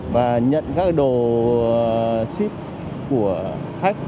và nhận các cái đồ ship của khách